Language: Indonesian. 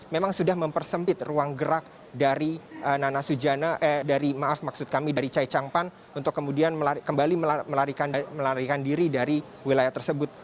memang sudah mempersempit ruang gerak dari chai chang pan untuk kemudian kembali melarikan diri dari wilayah tersebut